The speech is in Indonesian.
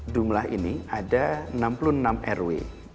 jumlah ini ada enam puluh enam rw